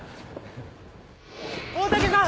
大嶽さん！